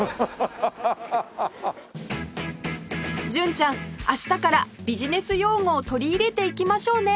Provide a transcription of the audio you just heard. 純ちゃん明日からビジネス用語を取り入れていきましょうね